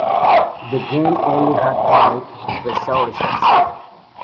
The game only had five resources.